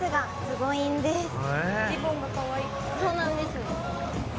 「そうなんです」